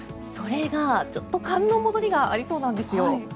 それがちょっと寒の戻りがありそうなんですよ。